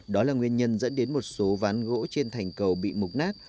đó là nguyên nhân dẫn đến một số ván gỗ trên thành cầu bị mục nát